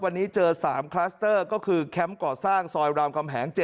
วันนี้เจอ๓คลัสเตอร์ก็คือแคมป์ก่อสร้างซอยรามคำแหง๗